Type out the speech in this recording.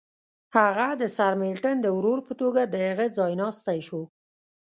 هغه د سرمیلټن د ورور په توګه د هغه ځایناستی شو.